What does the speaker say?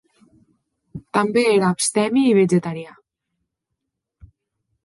També era abstemi i vegetarià.